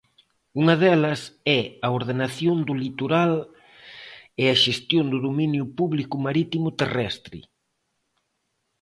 Unha delas é a ordenación do litoral e a xestión do dominio público marítimo-terrestre.